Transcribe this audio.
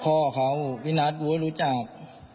พ่อเค้าพี่นัทกูไม่รู้จัก